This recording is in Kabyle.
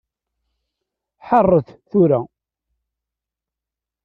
Ḥeṛṛet tura.